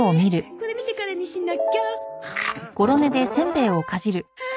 これ見てからにしなきゃ。